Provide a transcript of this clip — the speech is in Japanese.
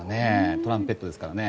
トランペットですからね。